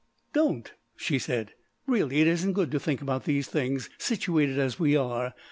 "Don't!" she said. "Really it isn't good to think about these things, situated as we are.